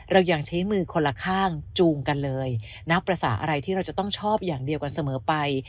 เรายังใช้มือคนละข้างจูงกันเลยนับภาษาอะไรที่เราจะต้องชอบอย่างเดียวกันเสมอไป